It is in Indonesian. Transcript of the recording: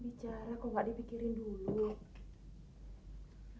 bicara kok tidak dipikirkan dulu